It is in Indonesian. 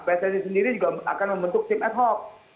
pssi sendiri juga akan membentuk tim adhoc